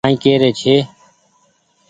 ڪآ ئي ڪهري ڇي